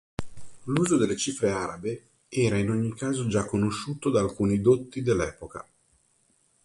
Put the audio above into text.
L'uso delle cifre arabe era in ogni caso già conosciuto da alcuni dotti dell'epoca.